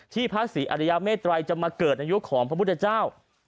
พระศรีอริยเมตรัยจะมาเกิดอายุของพระพุทธเจ้า